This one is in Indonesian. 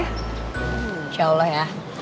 insya allah ya